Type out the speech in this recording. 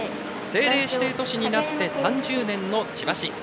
政令指定都市になって３０年の千葉市。